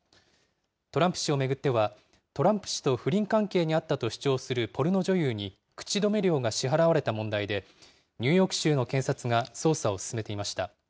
トランプ氏を巡っては、トランプ氏と不倫関係にあったと主張するポルノ女優に口止め料が支払われた問題で、ニューヨーク州の検察が捜査を進めていました。